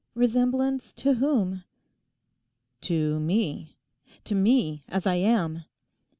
'Resemblance to whom?' 'To me? To me, as I am?